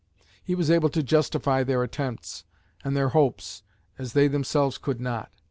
He was able to justify their attempts and their hopes as they themselves could not.